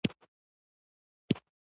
له نورو په جلا لار روان شول.